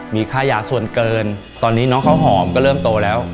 มีค่ายาส่วนเกินตอนนี้น้องข้าวหอมก็เริ่มโตแล้ว